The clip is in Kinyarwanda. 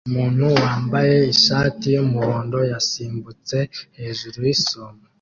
Umuntu wambaye ishati yumuhondo yasimbutse hejuru yisumo